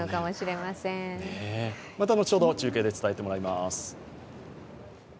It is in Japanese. また後ほど中継で伝えてもらいます。